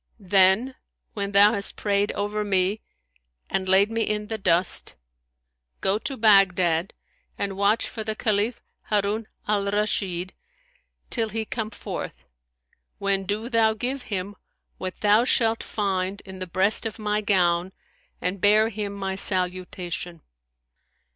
Then, when thou hast prayed over me and laid me in the dust, go to Baghdad and watch for the Caliph Harun al Rashid, till he come forth, when do thou give him what thou shalt find in the breast of my gown and bear him my salutation.'